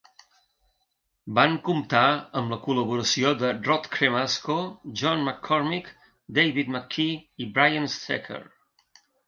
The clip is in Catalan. Van comptar amb la col·laboració de Rod Cremasco, John McCormick, David McKee i Brian Stecher.